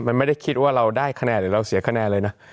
มันไม่ได้คิดว่าเราได้คะแนนหรือเราเสียคะแนนเลยนะ